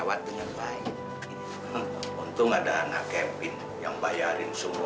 saya mau ke masjid dulu